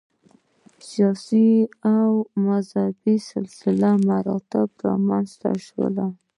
سیاسي او مذهبي سلسله مراتب رامنځته شول